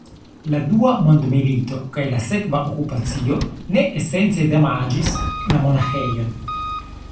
La dua mondmilito kaj la sekva okupacio ne esence damaĝis la monaĥejon.